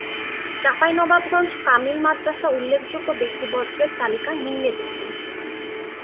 চাঁপাইনবাবগঞ্জ কামিল মাদরাসা উল্লেখযোগ্য ব্যক্তিবর্গের তালিকা নিম্নে দেখুন